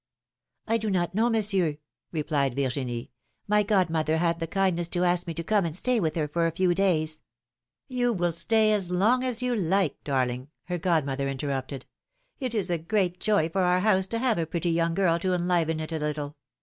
do not know. Monsieur," replied Virginie. ^^My godmother had the kindness to ask me to come and stay with her for a few days —" You will stay as long as you like, darling," her god mother interrupted, ^^It is a great joy for our house to have a pretty young girl to enliven it a little